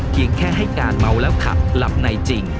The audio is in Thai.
เพียงแค่ให้การเมาแล้วขับหลับในจริง